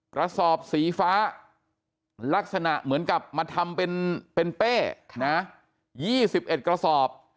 กระสอบสีฟ้าลักษณะเหมือนกับมาทำเป็นเป้๒๑กระสอบ